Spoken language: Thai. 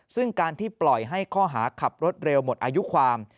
ซึ่งการที่ปล่อยให้ข้อหาขับรถเร็วหมดอายุความ